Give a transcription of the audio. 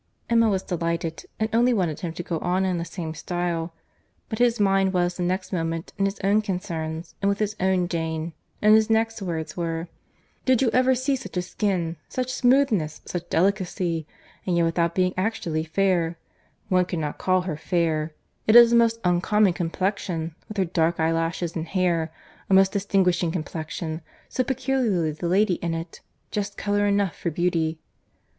Emma was delighted, and only wanted him to go on in the same style; but his mind was the next moment in his own concerns and with his own Jane, and his next words were, "Did you ever see such a skin?—such smoothness! such delicacy!—and yet without being actually fair.—One cannot call her fair. It is a most uncommon complexion, with her dark eye lashes and hair—a most distinguishing complexion! So peculiarly the lady in it.—Just colour enough for beauty."